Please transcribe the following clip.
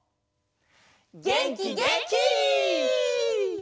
げんきげんき！